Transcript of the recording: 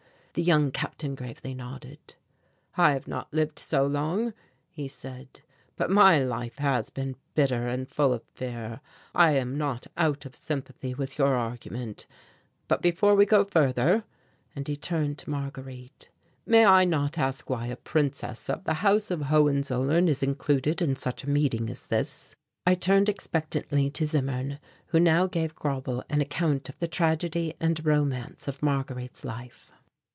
The young Captain gravely nodded. "I have not lived so long," he said, "but my life has been bitter and full of fear. I am not out of sympathy with your argument, but before we go further," and he turned to Marguerite, "may I not ask why a Princess of the House of Hohenzollern is included in such a meeting as this?" I turned expectantly to Zimmern, who now gave Grauble an account of the tragedy and romance of Marguerite's life.